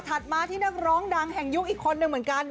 มาที่นักร้องดังแห่งยุคอีกคนหนึ่งเหมือนกัน